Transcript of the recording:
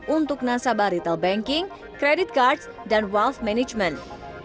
untuk nasabah retail banking credit cards dan welf management